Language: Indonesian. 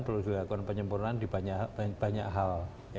perlu dilakukan penyempurnaan di banyak hal